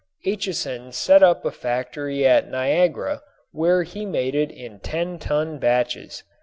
Acheson set up a factory at Niagara, where he made it in ten ton batches.